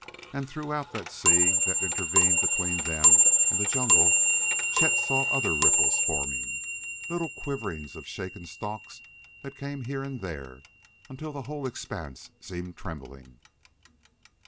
And throughout that sea that intervened between them and the jungle Chet saw other ripples forming, little quiverings of shaken stalks that came here and there until the whole expanse seemed trembling.